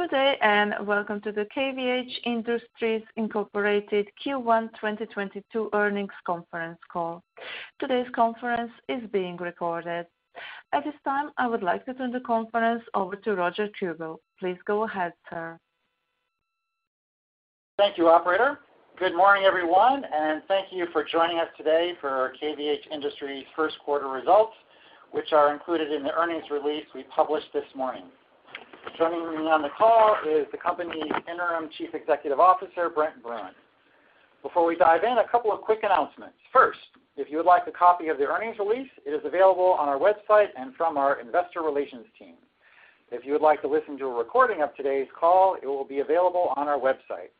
Good day, and welcome to the KVH Industries, Inc. Q1 2022 earnings conference call. Today's conference is being recorded. At this time, I would like to turn the conference over to Roger Kuebel. Please go ahead, sir. Thank you, operator. Good morning, everyone, and thank you for joining us today for our KVH Industries first results, which are included in the earnings release we published this morning. Joining me on the call is the company's Interim Chief Executive Officer, Brent Bruun. Before we dive in, a couple of quick announcements. First, if you would like a copy of the earnings release, it is available on our website and from our investor relations team. If you would like to listen to a recording of today's call, it will be available on our website.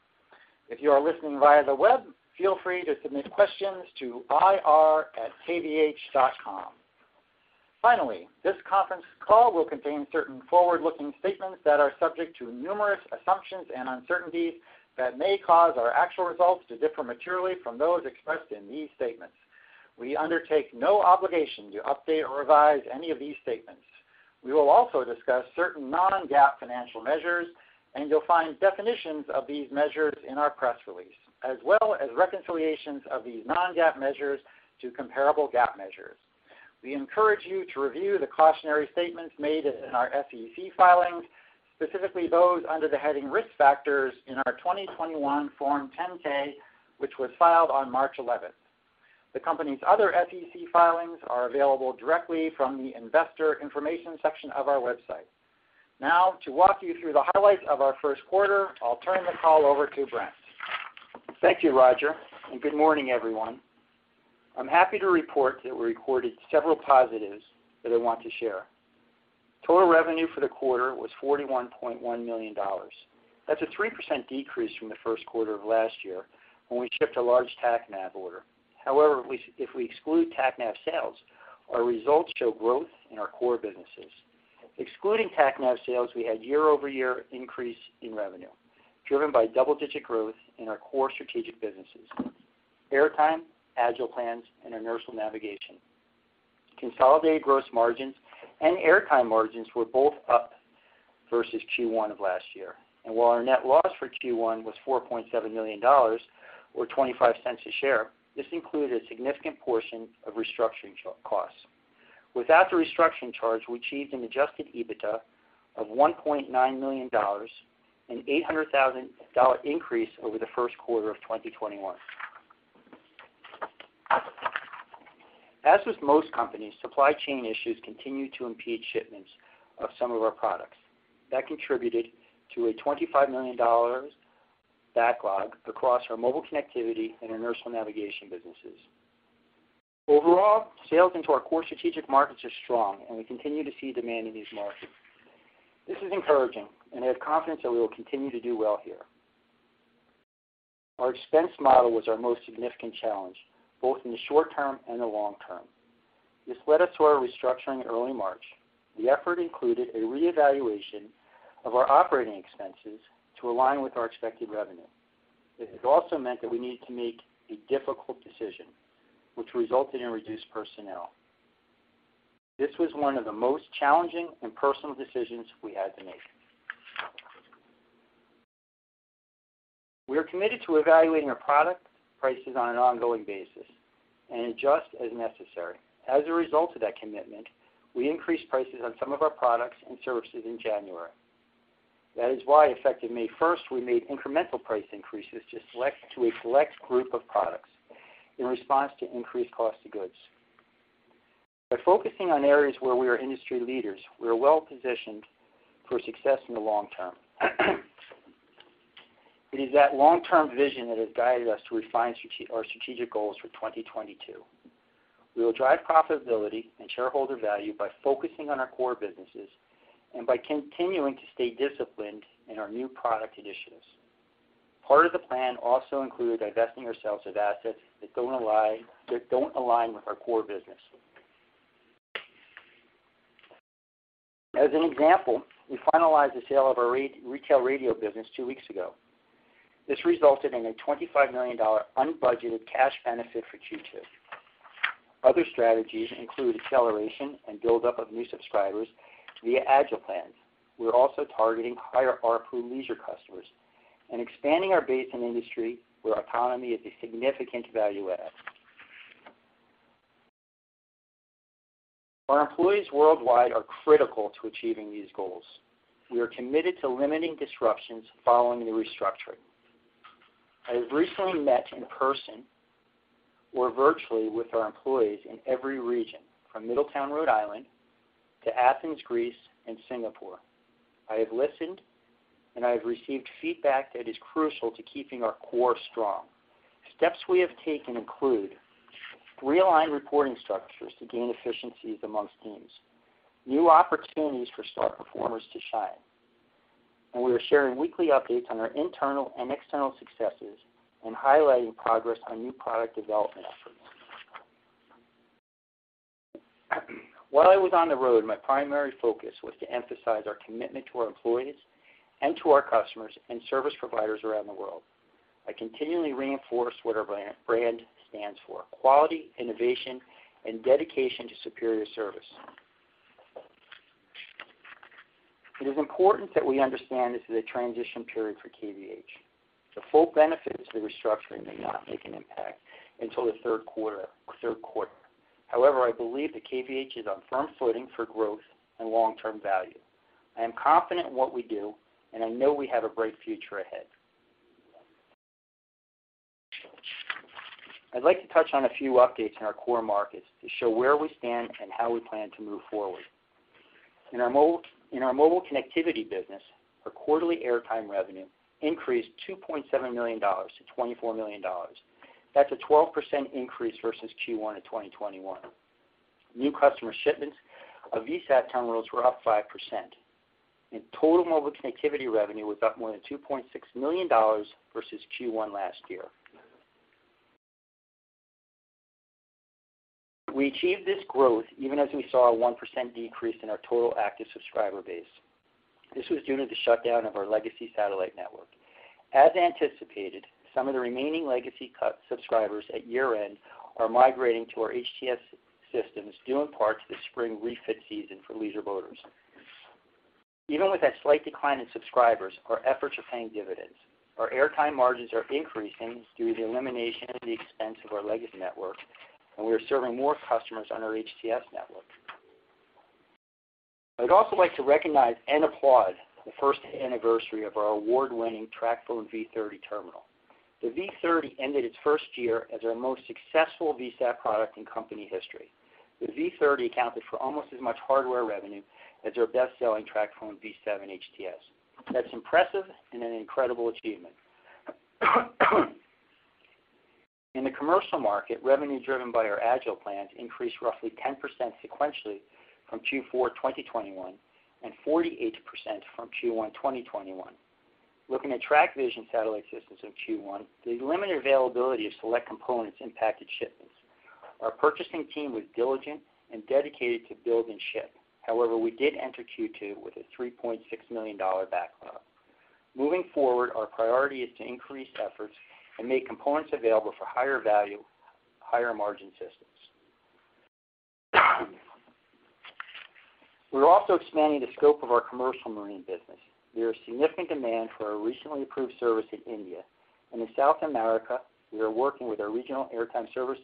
If you are listening via the web, feel free to submit questions to ir@kvh.com. Finally, this conference call will contain certain forward-looking statements that are subject to numerous assumptions and uncertainties that may cause our actual results to differ materially from those expressed in these statements. We undertake no obligation to update or revise any of these statements. We will also discuss certain non-GAAP financial measures, and you'll find definitions of these measures in our press release, as well as reconciliations of these non-GAAP measures to comparable GAAP measures. We encourage you to review the cautionary statements made in our SEC filings, specifically those under the heading Risk Factors in our 2021 Form 10-K, which was filed on March 11. The company's other SEC filings are available directly from the investor information section of our website. Now, to walk you through the highlights of our Q1, I'll turn the call over to Brent. Thank you, Roger, and good morning, everyone. I'm happy to report that we recorded several positives that I want to share. Total revenue for the quarter was $41.1 million. That's a 3% decrease from the Q1 of last when we shipped a large TACNAV order. However, if we exclude TACNAV sales, our results show growth in our core businesses. Excluding TACNAV sales, we had year-over-year increase in revenue, driven by double-digit growth in our core strategic businesses, Airtime, AgilePlans, and Inertial Navigation. Consolidated gross margins and Airtime margins were both up versus Q1 of last year. While our net loss for Q1 was $4.7 million or $0.25 a share, this included a significant portion of restructuring costs. Without the restructuring charge, we achieved an adjusted EBITDA of $1.9 million, an $800,000 increase over the Q1 of 2021. As with most companies, supply chain issues continue to impede shipments of some of our products. That contributed to a $25 million backlog across our Mobile Connectivity and Inertial Navigation businesses. Overall, sales into our core strategic markets are strong, and we continue to see demand in these markets. This is encouraging, and I have confidence that we will continue to do well here. Our expense model was our most significant challenge, both in the short term and the long term. This led us to our restructuring in early March. The effort included a reevaluation of our operating expenses to align with our expected revenue. It has also meant that we needed to make a difficult decision, which resulted in reduced personnel. This was one of the most challenging and personal decisions we had to make. We are committed to evaluating our product prices on an ongoing basis and adjust as necessary. As a result of that commitment, we increased prices on some of our products and services in January. That is why effective May 1, we made incremental price increases to a select group of products in response to increased cost of goods. By focusing on areas where we are industry leaders, we are well-positioned for success in the long term. It is that long-term vision that has guided us to refine our strategic goals for 2022. We will drive profitability and shareholder value by focusing on our core businesses and by continuing to stay disciplined in our new product initiatives. Part of the plan also included divesting ourselves of assets that don't align with our core business. As an example, we finalized the sale of our retail radio business two weeks ago. This resulted in a $25 million unbudgeted cash benefit for Q2. Other strategies include acceleration and build-up of new subscribers via AgilePlans. We're also targeting higher ARPU leisure customers and expanding our base in industry where autonomy is a significant value add. Our employees worldwide are critical to achieving these goals. We are committed to limiting disruptions following the restructuring. I have recently met in person or virtually with our employees in every region, from Middletown, Rhode Island, to Athens, Greece, and Singapore. I have listened, and I have received feedback that is crucial to keeping our core strong. Steps we have taken include realigned reporting structures to gain efficiencies among teams, new opportunities for star performers to shine, and we are sharing weekly updates on our internal and external successes and highlighting progress on new product development efforts. While I was on the road, my primary focus was to emphasize our commitment to our employees and to our customers and service providers around the world. I continually reinforce what our brand stands for, quality, innovation, and dedication to superior service. It is important that we understand this is a transition period for KVH. The full benefits of the restructuring may not make an impact until the Q3. However, I believe that KVH is on firm footing for growth and long-term value. I am confident in what we do, and I know we have a bright future ahead. I'd like to touch on a few updates in our core markets to show where we stand and how we plan to move forward. In our Mobile Connectivity business, our quarterly airtime revenue increased $2.7 million to $24 million. That's a 12% increase versus Q1 of 2021. New customer shipments of VSAT terminals were up 5%, and total Mobile Connectivity revenue was up more than $2.6 million versus Q1 last year. We achieved this growth even as we saw a 1% decrease in our total active subscriber base. This was due to the shutdown of our legacy satellite network. As anticipated, some of the remaining legacy subscribers at year-end are migrating to our HTS systems due in part to the spring refit season for leisure boaters. Even with that slight decline in subscribers, our efforts are paying dividends. Our airtime margins are increasing due to the elimination of the expense of our legacy network, and we are serving more customers on our HTS network. I'd also like to recognize and applaud the first anniversary of our award-winning TracPhone V30 terminal. The V30 ended its first year as our most successful VSAT product in company history. The V30 accounted for almost as much hardware revenue as our best-selling TracPhone V7 HTS. That's impressive and an incredible achievement. In the commercial market, revenue driven by our AgilePlans plans increased roughly 10% sequentially from Q4 2021 and 48% from Q1 2021. Looking at TracVision satellite systems in Q1, the limited availability of select components impacted shipments. Our purchasing team was diligent and dedicated to build and ship. However, we did enter Q2 with a $3.6 million backlog. Moving forward, our priority is to increase efforts and make components available for higher value, higher margin systems. We're also expanding the scope of our commercial marine business. There is significant demand for our recently approved service in India. In South America, we are working with our regional airtime service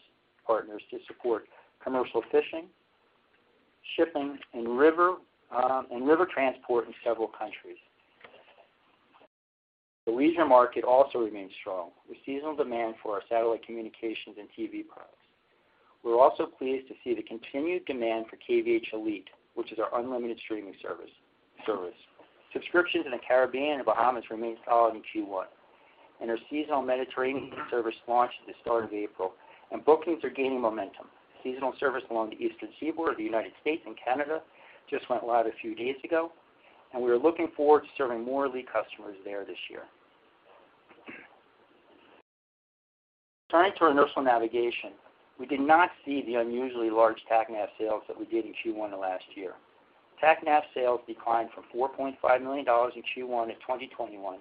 partners to support commercial fishing, shipping, and river transport in several countries. The leisure market also remains strong with seasonal demand for our satellite communications and TV products. We're also pleased to see the continued demand for KVH Elite, which is our unlimited streaming service. Subscriptions in the Caribbean and Bahamas remained solid in Q1, and our seasonal Mediterranean service launched at the start of April, and bookings are gaining momentum. Seasonal service along the eastern seaboard of the United States and Canada just went live a few days ago, and we are looking forward to serving more Elite customers there this year. Turning to inertial navigation, we did not see the unusually large TACNAV sales that we did in Q1 of last year. TACNAV sales declined from $4.5 million in Q1 of 2021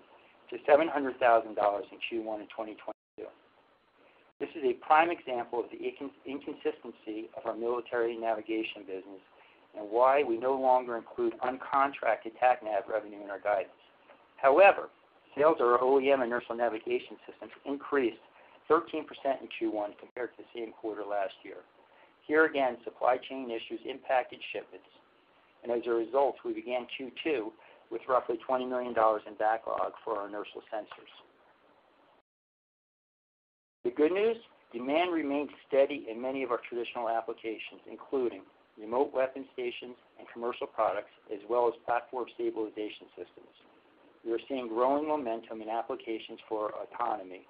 to $700,000 in Q1 of 2022. This is a prime example of the inconsistency of our military navigation business and why we no longer include uncontracted TACNAV revenue in our guidance. However, sales of our OEM inertial navigation systems increased 13% in Q1 compared to the same quarter last year. Here again, supply chain issues impacted shipments, and as a result, we began Q2 with roughly $20 million in backlog for our inertial sensors. The good news, demand remains steady in many of our traditional applications, including remote weapon stations and commercial products, as well as platform stabilization systems. We are seeing growing momentum in applications for autonomy,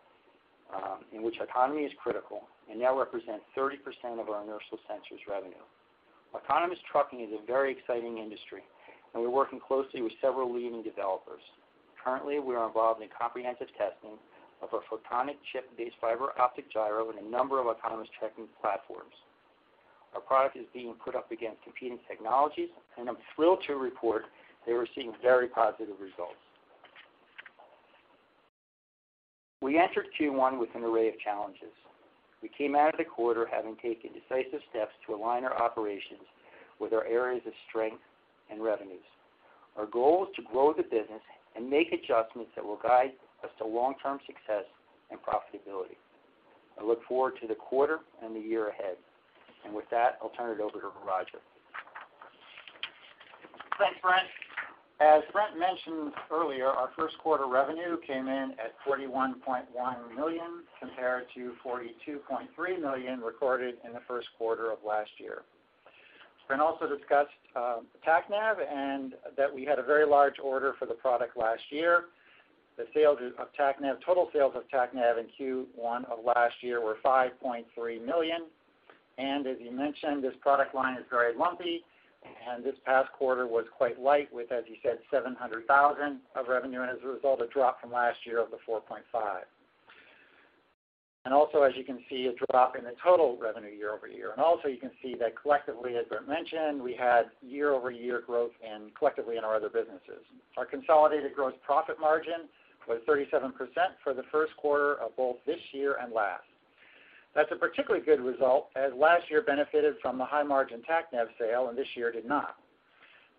in which autonomy is critical and now represents 30% of our inertial sensors revenue. Autonomous trucking is a very exciting industry, and we're working closely with several leading developers. Currently, we are involved in comprehensive testing of a photonic chip-based fiber optic gyro in a number of autonomous trucking platforms. Our product is being put up against competing technologies, and I'm thrilled to report that we're seeing very positive results. We entered Q1 with an array of challenges. We came out of the quarter having taken decisive steps to align our operations with our areas of strength and revenues. Our goal is to grow the business and make adjustments that will guide us to long-term success and profitability. I look forward to the quarter and the year ahead. With that, I'll turn it over to Roger. Thanks, Brent. As Brent mentioned earlier, our Q1 revenue came in at $41.1 million compared to $42.3 million recorded in the Q1 of last year. Brent also discussed TACNAV and that we had a very large order for the product last year. The sales of TACNAV, total sales of TACNAV in Q1 of last year were $5.3 million. As he mentioned, this product line is very lumpy, and this past quarter was quite light with, as he said, $700,000 of revenue, and as a result, a drop from last year of the $4.5. Also, as you can see, a drop in the total revenue year-over-year. You can see that collectively, as Brent mentioned, we had year-over-year growth and collectively in our other businesses. Our consolidated gross profit margin was 37% for the Q1 of both this year and last. That's a particularly good result as last year benefited from the high margin TACNAV sale, and this year did not.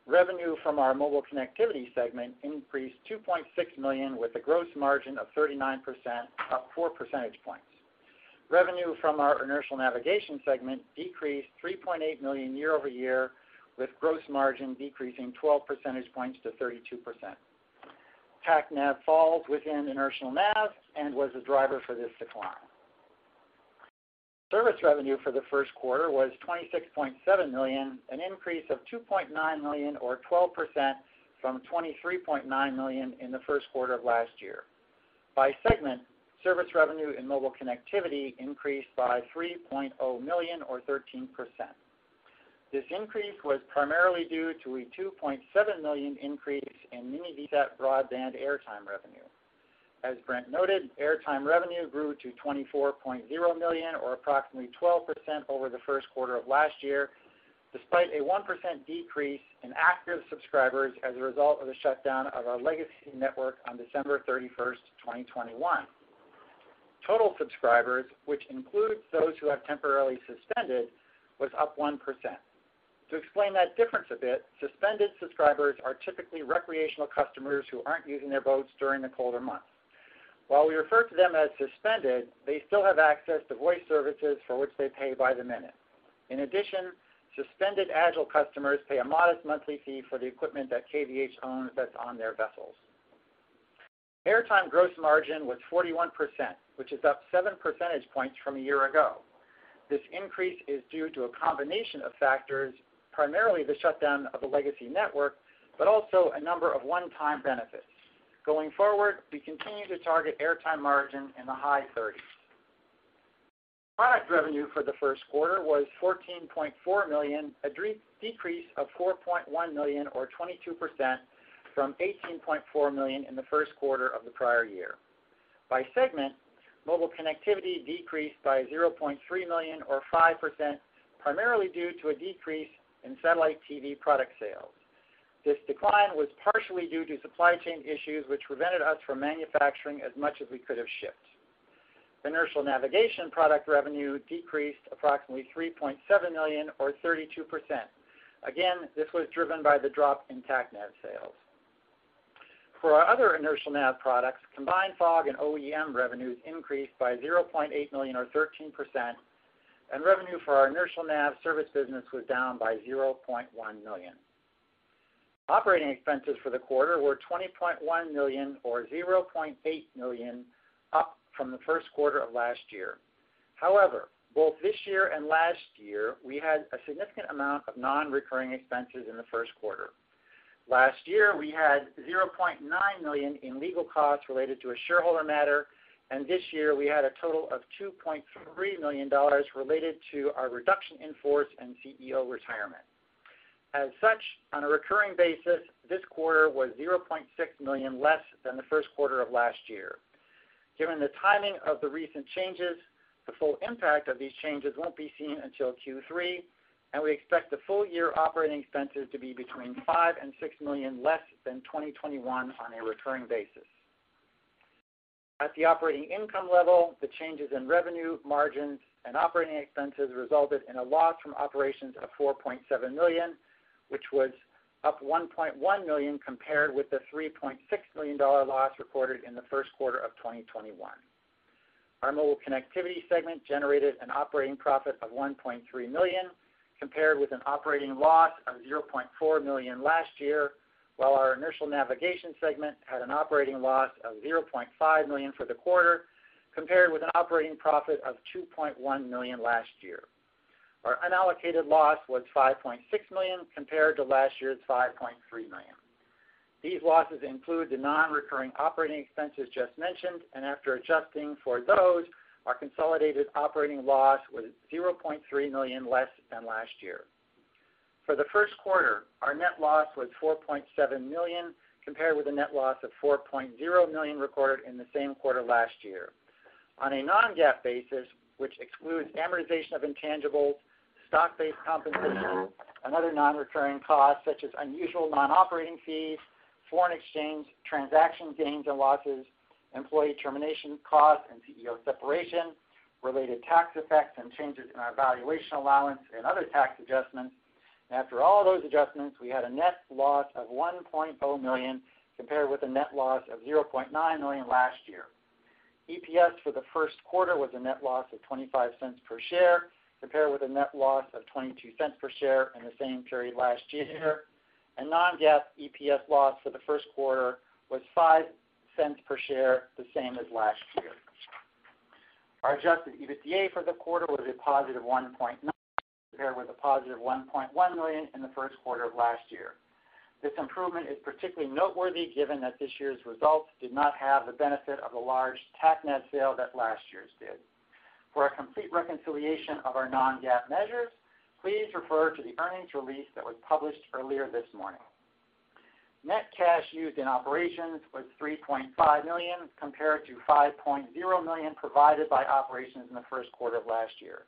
Revenue from our Mobile Connectivity segment increased $2.6 million, with a gross margin of 39%, up four percentage points. Revenue from our Inertial Navigation segment decreased $3.8 million year-over-year, with gross margin decreasing 12 percentage points to 32%. TACNAV falls within Inertial Nav and was the driver for this decline. Service revenue for the Q1 was $26.7 million, an increase of $2.9 million or 12% from $23.9 million in the Q1 of last year. By segment, service revenue in Mobile Connectivity increased by $3.0 million or 13%. This increase was primarily due to a $2.7 million increase in mini-VSAT Broadband airtime revenue. As Brent noted, airtime revenue grew to $24.0 million or approximately 12% over the Q1 of last year, despite a 1% decrease in active subscribers as a result of the shutdown of our legacy network on December 31, 2021. Total subscribers, which includes those who have temporarily suspended, was up 1%. To explain that difference a bit, suspended subscribers are typically recreational customers who aren't using their boats during the colder months. While we refer to them as suspended, they still have access to voice services for which they pay by the minute. In addition, suspended AgilePlans customers pay a modest monthly fee for the equipment that KVH owns that's on their vessels. Airtime gross margin was 41%, which is up 7 percentage points from a year ago. This increase is due to a combination of factors, primarily the shutdown of the legacy network, but also a number of one-time benefits. Going forward, we continue to target airtime margin in the high thirties. Product revenue for the Q1 was $14.4 million, a decrease of $4.1 million or 22% from $18.4 million in the Q1 of the prior year. By segment, Mobile Connectivity decreased by $0.3 million or 5%, primarily due to a decrease in satellite TV product sales. This decline was partially due to supply chain issues, which prevented us from manufacturing as much as we could have shipped. Inertial Navigation product revenue decreased approximately $3.7 million or 32%. Again, this was driven by the drop in TACNAV sales. For our other Inertial Nav products, combined FOG and OEM revenues increased by $0.8 million or 13%, and revenue for our Inertial Nav service business was down by $0.1 million. Operating expenses for the quarter were $20.1 million or $0.8 million up from the Q1 of last year. However, both this year and last year, we had a significant amount of non-recurring expenses in the Q1. Last year, we had $0.9 million in legal costs related to a shareholder matter, and this year we had a total of $2.3 million related to our reduction in force and CEO retirement. As such, on a recurring basis, this quarter was $0.6 million less than the Q1 of last year. Given the timing of the recent changes, the full impact of these changes won't be seen until Q3, and we expect the full year operating expenses to be between $5 million and $6 million less than 2021 on a recurring basis. At the operating income level, the changes in revenue margins and operating expenses resulted in a loss from operations of $4.7 million, which was up $1.1 million compared with the $3.6 million loss reported in the Q1 of 2021. Our Mobile Connectivity segment generated an operating profit of $1.3 million compared with an operating loss of $0.4 million last year. While our Inertial Navigation segment had an operating loss of $0.5 million for the quarter compared with an operating profit of $2.1 million last year. Our unallocated loss was $5.6 million compared to last year's $5.3 million. These losses include the non-recurring operating expenses just mentioned, and after adjusting for those, our consolidated operating loss was $0.3 million less than last year. For the Q1, our net loss was $4.7 million, compared with a net loss of $4.0 million recorded in the same quarter last year. On a non-GAAP basis, which excludes amortization of intangible stock-based compensation and other non-recurring costs such as unusual non-operating fees, foreign exchange, transaction gains and losses, employee termination costs and CEO separation, related tax effects and changes in our valuation allowance and other tax adjustments, after all those adjustments, we had a net loss of $1.0 million compared with a net loss of $0.9 million last year. EPS for the Q1 was a net loss of $0.25 per share, compared with a net loss of $0.22 per share in the same period last year. Non-GAAP EPS loss for the Q1 was $0.05 per share, the same as last year. Our adjusted EBITDA for the quarter was a positive $1.9 million, compared with a positive $1.1 million in the Q1 of last year. This improvement is particularly noteworthy given that this year's results did not have the benefit of a large TACNAV sale that last year's did. For a complete reconciliation of our non-GAAP measures, please refer to the earnings release that was published earlier this morning. Net cash used in operations was $3.5 million compared to $5.0 million provided by operations in the Q1 of last year.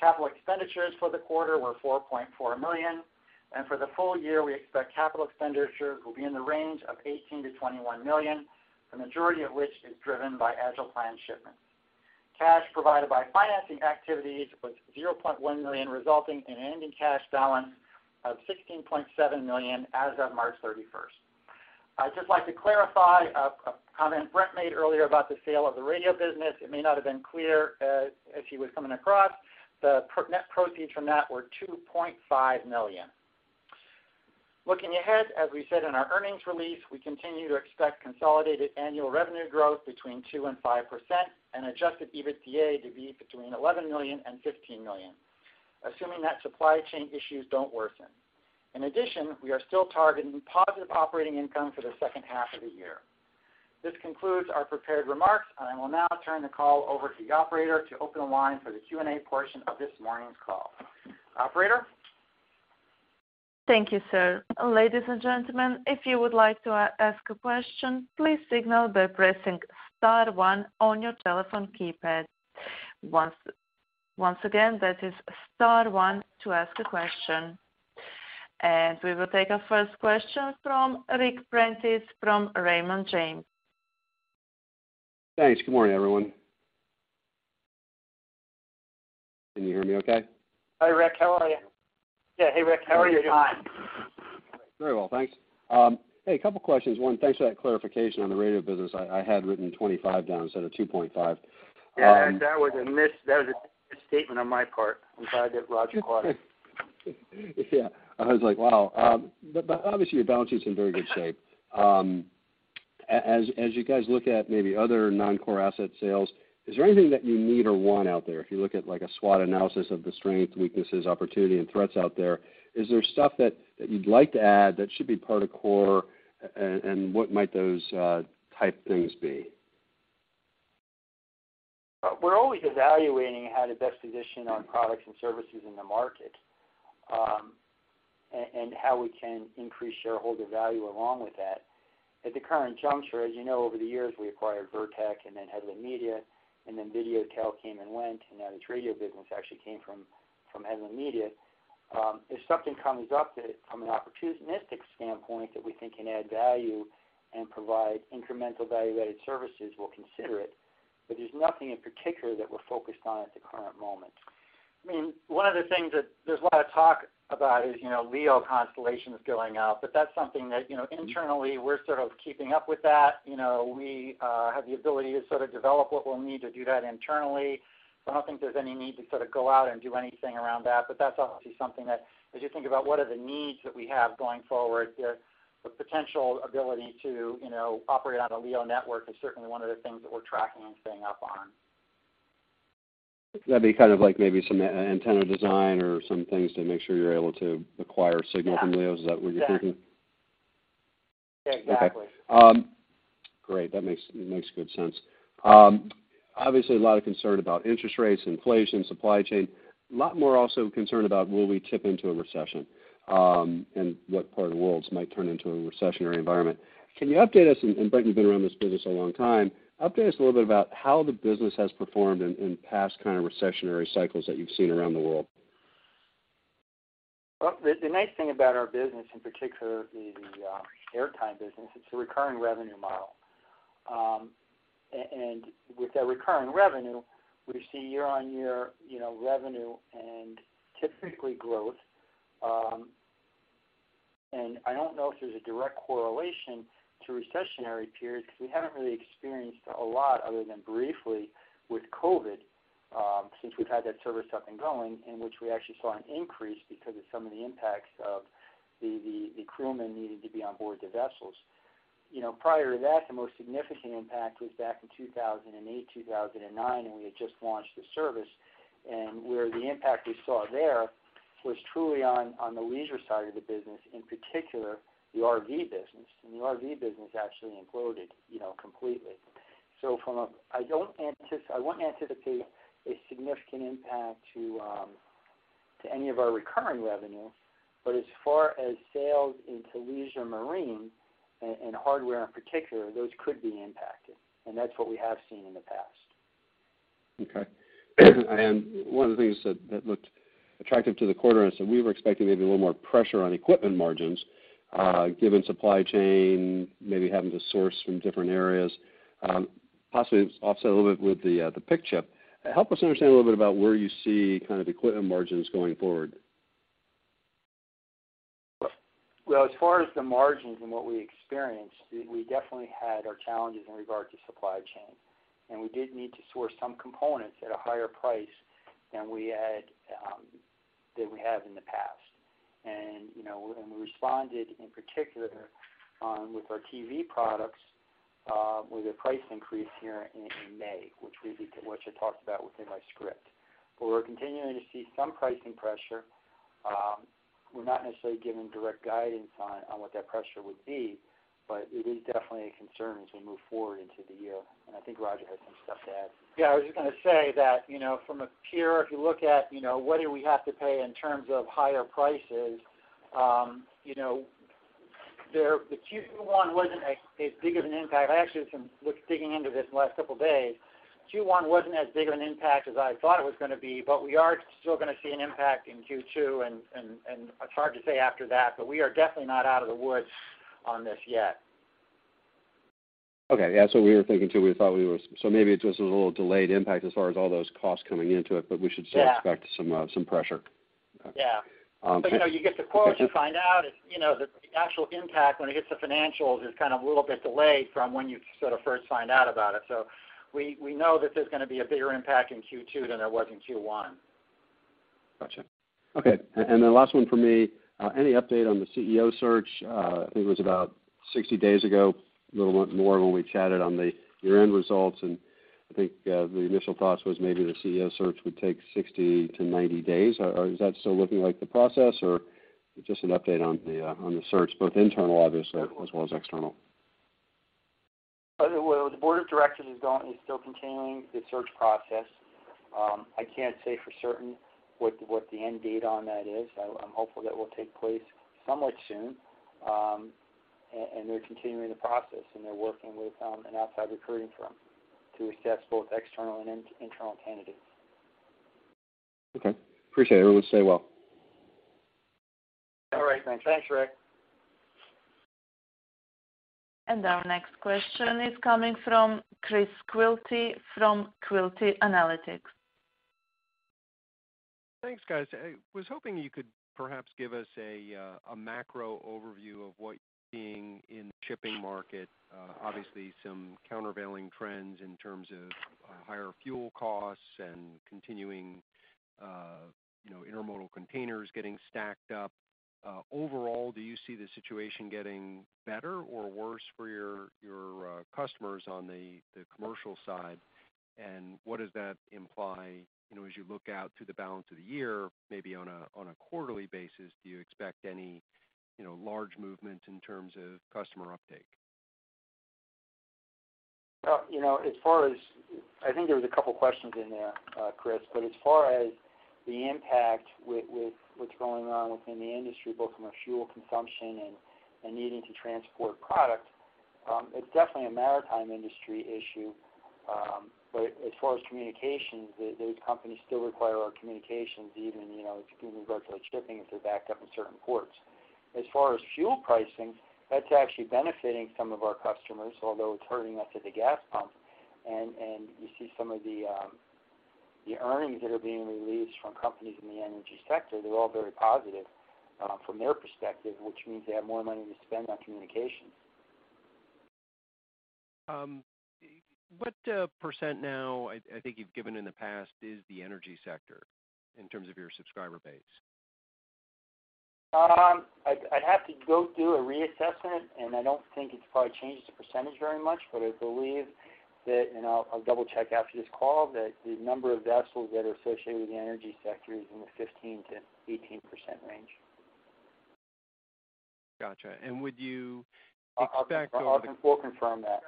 Capital expenditures for the quarter were $4.4 million, and for the full year, we expect capital expenditures will be in the range of $18-21 million, the majority of which is driven by AgilePlan shipments. Cash provided by financing activities was $0.1 million, resulting in ending cash balance of $16.7 million as of March thirty-first. I'd just like to clarify a comment Brent made earlier about the sale of the radio business. It may not have been clear, as he was coming across. The net proceeds from that were $2.5 million. Looking ahead, as we said in our earnings release, we continue to expect consolidated annual revenue growth between 2% and 5% and adjusted EBITDA to be between $11 million and $15 million, assuming that supply chain issues don't worsen. In addition, we are still targeting positive operating income for the second half of the year. This concludes our prepared remarks, and I will now turn the call over to the operator to open the line for the Q&A portion of this morning's call. Operator? Thank you, sir. Ladies and gentlemen, if you would like to ask a question, please signal by pressing star one on your telephone keypad. Once again, that is star one to ask a question. We will take our first question from Ric Prentiss from Raymond James. Thanks. Good morning, everyone. Can you hear me okay? Hi, Ric. How are you? Yeah. Hey, Ric. How are you doing? Very well, thanks. Hey, a couple questions. One, thanks for that clarification on the radio business. I had written 25 down instead of 2.5. Yeah, that was a misstatement on my part. I'm glad that Roger caught it. Yeah. I was like, "Wow." Obviously, your balance sheet's in very good shape. As you guys look at maybe other non-core asset sales, is there anything that you need or want out there? If you look at, like, a SWOT analysis of the strengths, weaknesses, opportunity, and threats out there, is there stuff that you'd like to add that should be part of core, and what might those type things be? We're always evaluating how to best position our products and services in the market, and how we can increase shareholder value along with that. At the current juncture, as you know, over the years we acquired Virtek and then Headland Media, and then Videotel came and went, and now this radio business actually came from Headland Media. If something comes up that from an opportunistic standpoint that we think can add value and provide incremental value-added services, we'll consider it. There's nothing in particular that we're focused on at the current moment. I mean, one of the things that there's a lot of talk about is, LEO constellations going up, but that's something that, internally we're sort of keeping up with that. You know, we have the ability to sort of develop what we'll need to do that internally. So I don't think there's any need to sort of go out and do anything around that, but that's obviously something that as you think about what are the needs that we have going forward, the potential ability to, operate on a LEO network is certainly one of the things that we're tracking and staying up on. That'd be kind of like maybe some antenna design or some things to make sure you're able to acquire signal from LEOs. Yeah. Is that what you're thinking? Yeah. Exactly. Okay. Great. That makes good sense. Obviously, a lot of concern about interest rates, inflation, supply chain. A lot more also concerned about will we tip into a recession, and what part of the world might turn into a recessionary environment. Can you update us, and Brent, you've been around this business a long time, update us a little bit about how the business has performed in past kind of recessionary cycles that you've seen around the world. Well, the nice thing about our business, in particular the airtime business, it's a recurring revenue model. With that recurring revenue, we see year-on-year, revenue and typically growth. I don't know if there's a direct correlation to recessionary periods, because we haven't really experienced a lot other than briefly with COVID, since we've had that service up and going, in which we actually saw an increase because of some of the impacts of the crewmen needed to be on board the vessels. You know, prior to that, the most significant impact was back in 2008, 2009, when we had just launched the service, and where the impact we saw there was truly on the leisure side of the business, in particular, the RV business. The RV business actually imploded, completely. I won't anticipate a significant impact to any of our recurring revenue. As far as sales into leisure marine and hardware in particular, those could be impacted. That's what we have seen in the past. Okay. One of the things that looked attractive to the quarter, and so we were expecting maybe a little more pressure on equipment margins, given supply chain, maybe having to source from different areas, possibly offset a little bit with the PIC chip. Help us understand a little bit about where you see kind of equipment margins going forward. Well, as far as the margins and what we experienced, we definitely had our challenges in regard to supply chain, and we did need to source some components at a higher price than we had, than we have in the past. You know, we responded in particular with our TV products with a price increase here in May, which I talked about within my script. We're continuing to see some pricing pressure. We're not necessarily giving direct guidance on what that pressure would be. It is definitely a concern as we move forward into the year. I think Roger has some stuff to add. Yeah, I was just gonna say that, from a pure, if you look at, what do we have to pay in terms of higher prices, the Q1 wasn't as big of an impact. I actually was digging into this the last couple days. Q1 wasn't as big of an impact as I thought it was gonna be, but we are still gonna see an impact in Q2, and it's hard to say after that, but we are definitely not out of the woods on this yet. Okay. Yeah, that's what we were thinking too. Maybe it's just a little delayed impact as far as all those costs coming into it, but we should- Yeah. still expect some pressure. Yeah. Um. You get the quotes, you find out, the actual impact when it hits the financials is kind of a little bit delayed from when you sort of first find out about it. We know that there's gonna be a bigger impact in Q2 than there was in Q1. Gotcha. Okay. The last one from me, any update on the CEO search? I think it was about 60 days ago, a little more when we chatted on the year-end results. I think the initial thoughts was maybe the CEO search would take 60-90 days. Or is that still looking like the process, or just an update on the search, both internal obviously as well as external. Well, the board of directors is still continuing the search process. I can't say for certain what the end date on that is. I'm hopeful that will take place somewhat soon. They're continuing the process, and they're working with an outside recruiting firm to assess both external and internal candidates. Okay. Appreciate it. We'll stay well. All right, thanks. Thanks, Rick. Our next question is coming from Chris Quilty from Quilty Analytics. Thanks, guys. I was hoping you could perhaps give us a macro overview of what you're seeing in the shipping market. Obviously, some countervailing trends in terms of higher fuel costs and continuing, intermodal containers getting stacked up. Overall, do you see the situation getting better or worse for your customers on the commercial side? What does that imply, as you look out through the balance of the year, maybe on a quarterly basis, do you expect any, large movement in terms of customer uptake? Well, I think there was a couple questions in there, Chris. As far as the impact with what's going on within the industry, both from a fuel consumption and needing to transport product, it's definitely a maritime industry issue. As far as communications, those companies still require our communications even in regard to shipping, if they're backed up in certain ports. As far as fuel pricing, that's actually benefiting some of our customers, although it's hurting us at the gas pump. You see some of the earnings that are being released from companies in the energy sector, they're all very positive from their perspective, which means they have more money to spend on communications. What % now, I think you've given in the past, is the energy sector in terms of your subscriber base? I'd have to go do a reassessment, and I don't think it's probably changed the percentage very much, but I believe that, and I'll double-check after this call, that the number of vessels that are associated with the energy sector is in the 15%-18% range. Gotcha. Would you expect all the? I can fully confirm that.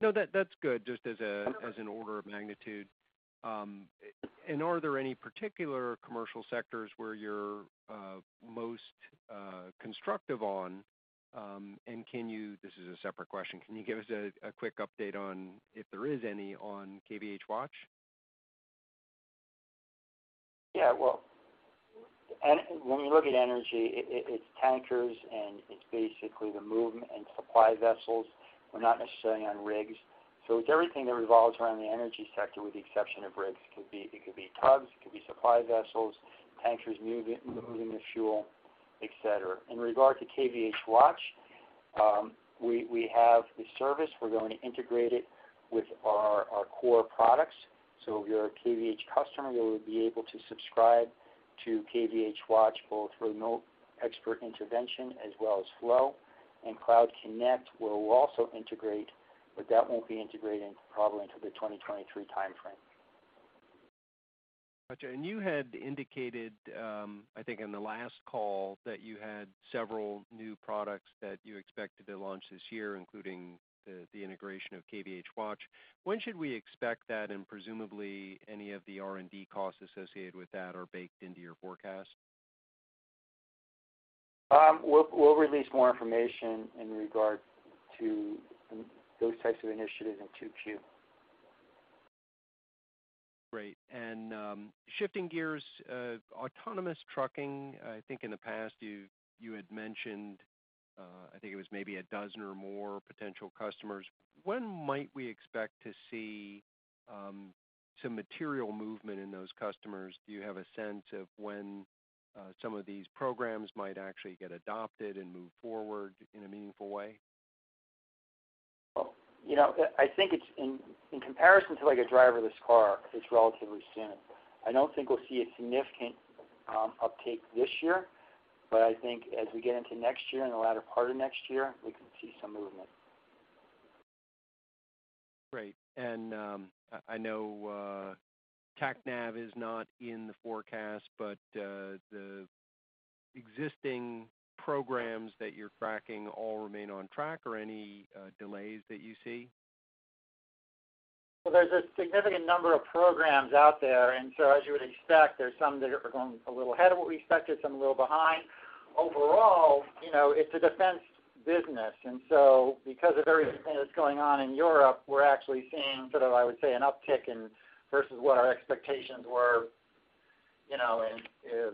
No, that's good. Okay. As an order of magnitude. Are there any particular commercial sectors where you're most constructive on? This is a separate question. Can you give us a quick update on, if there is any, on KVH Watch? Yeah. Well, when we look at energy, it's tankers and it's basically the movement and supply vessels. We're not necessarily on rigs. It's everything that revolves around the energy sector with the exception of rigs. It could be tugs, it could be supply vessels, tankers moving the fuel, et cetera. In regard to KVH Watch, we have the service. We're going to integrate it with our core products. If you're a KVH customer, you'll be able to subscribe to KVH Watch both for remote expert intervention as well as Flow. Cloud Connect, we'll also integrate, but that won't be integrated probably until the 2023 timeframe. Gotcha. You had indicated, I think on the last call, that you had several new products that you expected to launch this year, including the integration of KVH Watch. When should we expect that? Presumably, any of the R&D costs associated with that are baked into your forecast. We'll release more information in regard to those types of initiatives in 2Q. Great. Shifting gears, autonomous trucking, I think in the past you had mentioned, I think it was maybe a dozen or more potential customers. When might we expect to see some material movement in those customers? Do you have a sense of when some of these programs might actually get adopted and move forward in a meaningful way? Well, I think it's in comparison to like a driverless car, it's relatively soon. I don't think we'll see a significant uptake this year. I think as we get into next year and the latter part of next year, we can see some movement. Great. I know TACNAV is not in the forecast, but the existing programs that you're tracking all remain on track or any delays that you see? Well, there's a significant number of programs out there, and so as you would expect, there's some that are going a little ahead of what we expected, some a little behind. Overall, it's a defense business, and so because of everything that's going on in Europe, we're actually seeing sort of, I would say, an uptick versus what our expectations were, in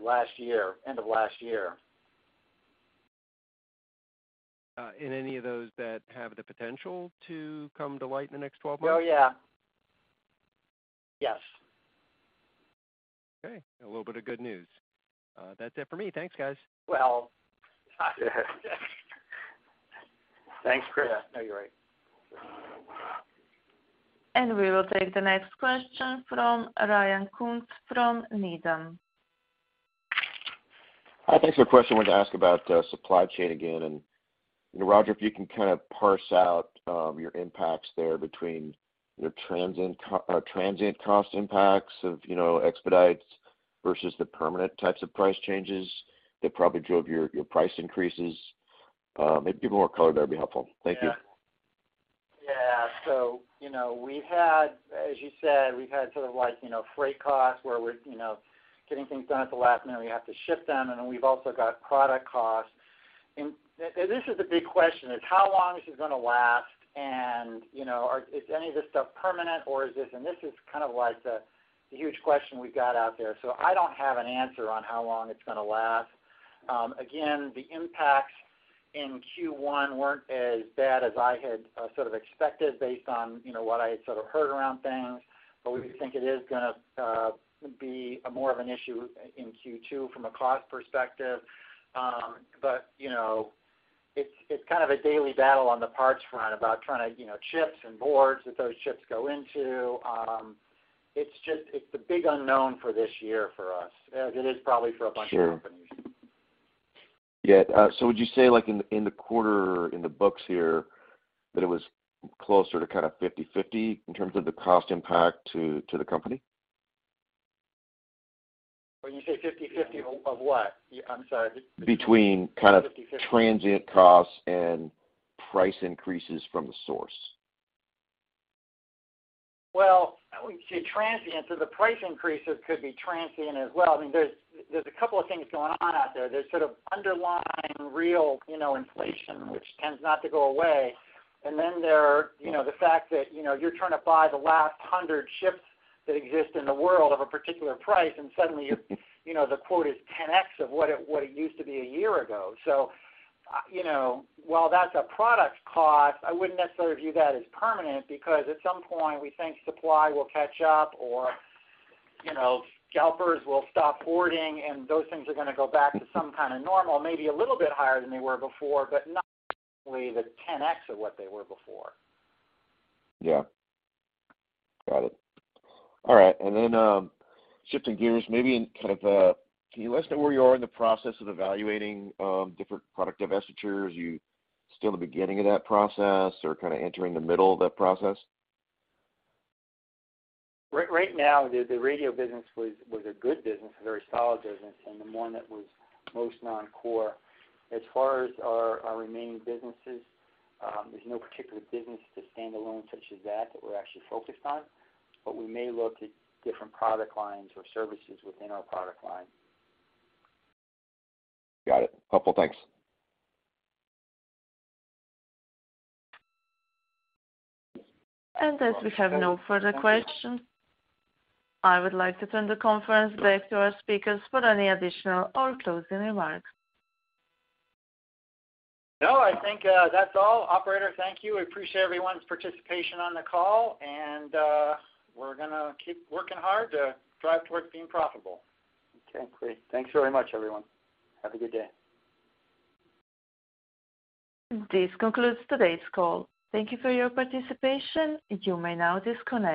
last year, end of last year. Any of those that have the potential to come to light in the next 12 months? Oh, yeah. Yes. Okay. A little bit of good news. That's it for me. Thanks, guys. Well... Thanks, Chris. No, you're right. We will take the next question from Ryan Koontz from Needham. Hi. Thanks for the question. Wanted to ask about supply chain again. Roger, if you can kind of parse out your impacts there between your transient cost impacts of, expedites versus the permanent types of price changes that probably drove your price increases. Maybe give more color there would be helpful. Thank you. Yeah. Yeah. You know, we had, as you said, we've had sort of like, freight costs where we're, getting things done at the last minute, we have to ship them, and then we've also got product costs. This is the big question is, how long is this gonna last? You know, is any of this stuff permanent or is this. This is kind of like the huge question we've got out there. I don't have an answer on how long it's gonna last. Again, the impacts in Q1 weren't as bad as I had sort of expected based on, what I had sort of heard around things. We think it is gonna be more of an issue in Q2 from a cost perspective. You know, it's kind of a daily battle on the parts front about trying to, chips and boards that those chips go into. It's just the big unknown for this year for us, as it is probably for a bunch of companies. Sure. Yeah. Would you say, like, in the quarter, in the books here, that it was closer to kind of 50/50 in terms of the cost impact to the company? When you say 50/50 of what? I'm sorry. Between kind of- Fifty fifty. Transient costs and price increases from the source. Well, when you say transient, so the price increases could be transient as well. I mean, there's a couple of things going on out there. There's sort of underlying real, inflation, which tends not to go away. Then there are, the fact that, you're trying to buy the last 100 ships that exist in the world of a particular price, and suddenly you're, the quote is 10x of what it used to be a year ago. You know, while that's a product cost, I wouldn't necessarily view that as permanent because at some point we think supply will catch up or, scalpers will stop hoarding, and those things are gonna go back to some kind of normal, maybe a little bit higher than they were before, but not really the 10x of what they were before. Yeah. Got it. All right. Shifting gears, maybe can you let us know where you are in the process of evaluating different product divestitures? You still in the beginning of that process or kinda entering the middle of that process? Right now, the radio business was a good business, a very solid business, and the one that was most non-core. As far as our remaining businesses, there's no particular business to stand alone such as that we're actually focused on. We may look at different product lines or services within our product line. Got it. Helpful. Thanks. As we have no further questions, I would like to turn the conference back to our speakers for any additional or closing remarks. No, I think, that's all. Operator, thank you. We appreciate everyone's participation on the call, and, we're gonna keep working hard to drive towards being profitable. Okay, great. Thanks very much, everyone. Have a good day. This concludes today's call. Thank you for your participation. You may now disconnect.